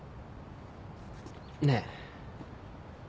ねえ。